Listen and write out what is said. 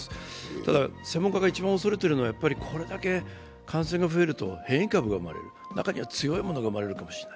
ただ、専門家が一番恐れているのはこれだけ感染が増えると変異株が生まれる、中には強いものが生まれるかもしれない。